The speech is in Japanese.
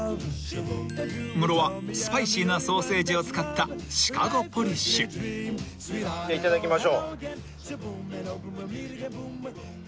［ムロはスパイシーなソーセージを使ったシカゴポリッシュ］いただきましょう。